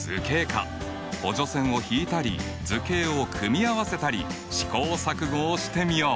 補助線を引いたり図形を組み合わせたり試行錯誤をしてみよう。